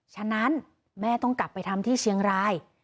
ฉะนั้นแม่ต้องกลับไปทำที่เชียงราย